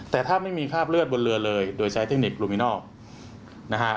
แต่ถ้าไม่มีคราบเลือดบนเรือเลยโดยใช้เทคนิคลูมินอลนะฮะ